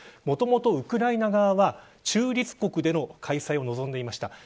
もともとウクライナ側は中立国での開催を望んでいました。